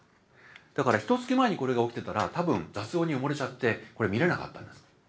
だからひと月前にこれが起きてたら多分雑音に埋もれちゃってこれ見れなかったんです。